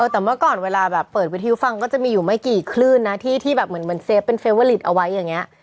แต่เมื่อก่อนเวลาแบบเปิดวิทยุฟังก็จะมีอยู่ไม่กี่คลื่นนะที่แบบเหมือนเซฟเป็นเฟเวอร์ลิตเอาไว้อย่างนี้